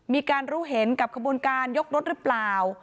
มีการรู้เห็นกับขบวนการยกรถหรือเปล่า